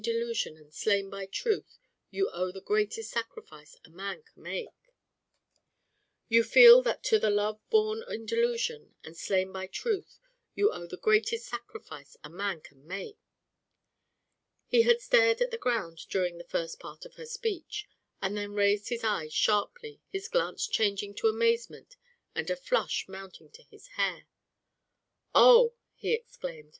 And now you feel that to the love born in delusion and slain by truth you owe the greatest sacrifice a man can make." He had stared at the ground during the first part of her speech, and then raised his eyes sharply, his glance changing to amazement and a flush mounting to his hair. "Oh!" he exclaimed.